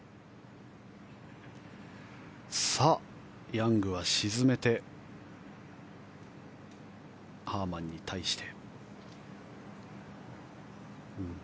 ヤングは沈めてハーマンに対して。